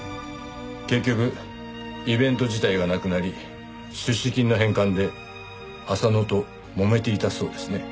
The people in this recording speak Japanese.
結局イベント自体がなくなり出資金の返還で浅野ともめていたそうですね。